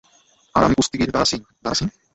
আর আমি কুস্তিগীর দারা সিং, - দারা সিং?